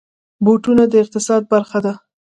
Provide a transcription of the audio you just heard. بوټونه د اقتصاد برخه ده.